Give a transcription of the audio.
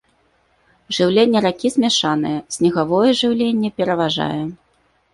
Жыўленне ракі змяшанае, снегавое жыўленне пераважае.